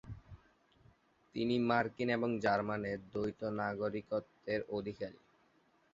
তিনি মার্কিন এবং জার্মানের দ্বৈত নাগরিকত্বের অধিকারী।